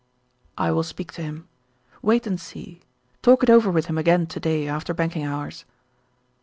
"I will speak to him. Wait and see. Talk it over with him again to day after banking hours."